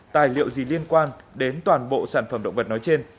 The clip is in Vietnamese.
tài liệu gì liên quan đến toàn bộ sản phẩm động vật nói trên